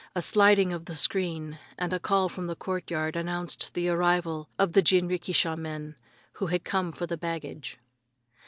A sliding of the screen and a call from the court yard announced the arrival of the jinrikisha men, who had come for the baggage.